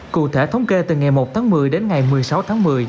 cụ thể thống kê từ ngày một tháng một mươi đến ngày một mươi sáu tháng một mươi